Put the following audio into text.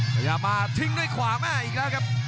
พยายามมาทิ้งด้วยขวาแม่อีกแล้วครับ